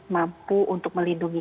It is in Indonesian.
mampu untuk melindungi